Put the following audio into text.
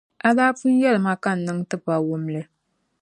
A daa pun yεli ma ka n niŋ tipawumli.